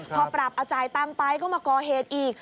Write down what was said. พอปรับเอาจ่ายตังค์ไปก็มาก่อเหตุอีก